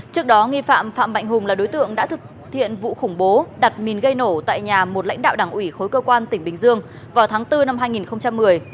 trước đó nghi phạm phạm mạnh hùng là đối tượng đã thực hiện vụ khủng bố đặt mìn gây nổ tại nhà một lãnh đạo đảng ủy khối cơ quan tỉnh bình dương vào tháng bốn năm hai nghìn một mươi